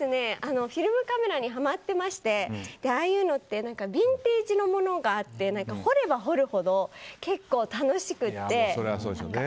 フィルムカメラにハマってましてああいうのってビンテージのものがあって掘れば掘るほど結構楽しくて。